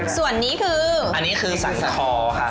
ส่วนนี้คืออันนี้คือสรรสะคอค่ะ